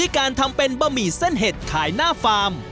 การทำเป็นบะหมี่เส้นเห็ดขายหน้าฟาร์ม